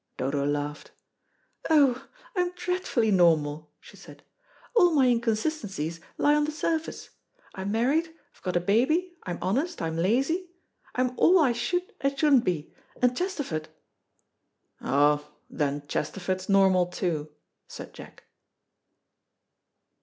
Dodo laughed. "Oh, I'm dreadfully normal," she said; "all my inconsistencies lie on the surface I'm married, I've got a baby, I'm honest, I'm lazy. I'm all I should and shouldn't be. And Chesterford " "Oh, then Chesterford's normal too," said Jack.